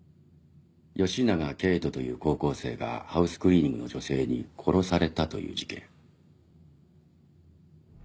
吉長圭人という高校生がハウスクリーニングの女性に殺されたという事件。